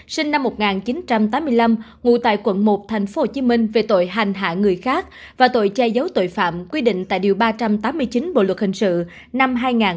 sinh năm một nghìn chín trăm tám mươi năm ngủ tại quận một tp hcm về tội hành hạ người khác và tội che giấu tội phạm quy định tại điều ba trăm tám mươi chín bộ luật hình sự năm hai nghìn một mươi năm